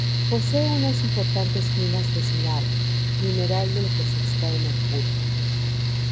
Posee unas importantes minas de cinabrio, mineral del que se extrae mercurio.